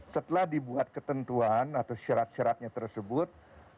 setelah dibuat ketentuan atau syarat syaratnya tersebut